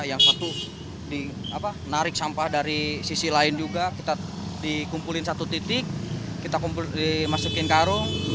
yang satu narik sampah dari sisi lain juga kita dikumpulin satu titik kita dimasukin karung